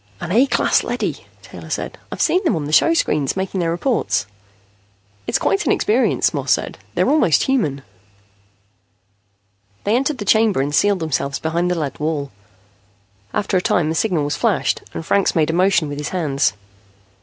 "An A class leady," Taylor said. "I've seen them on the showscreens, making their reports." "It's quite an experience," Moss said. "They're almost human." They entered the chamber and seated themselves behind the lead wall. After a time, a signal was flashed, and Franks made a motion with his hands.